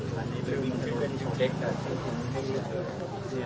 แบบนี้บ่ายนอกก็เลยไม่มีมีอายุเชียวนะคะ